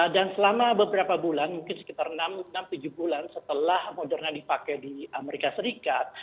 dan selama beberapa bulan mungkin sekitar enam tujuh bulan setelah moderna dipakai di amerika serikat